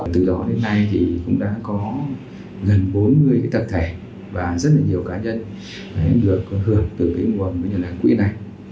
từ đó đến nay cũng đã có gần bốn mươi tập thể và rất nhiều cá nhân được hưởng từ nguồn nhân hành quỹ này